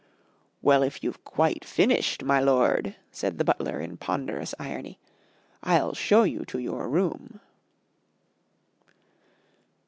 "Well, if you've quite finished, my lord," said the butler in ponderous irony, "I'll show you to your room."